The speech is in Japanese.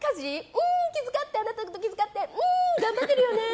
うんあなたのこと気遣って頑張ってるよね。